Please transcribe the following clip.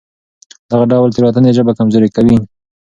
دغه ډول تېروتنې ژبه کمزورې کوي.